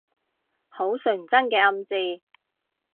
好純真嘅暗示